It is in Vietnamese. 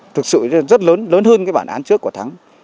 thực sự rất lớn lớn hơn cái bản án trước của thắng